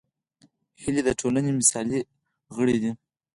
هیلۍ د ټولنې مثالي غړې ده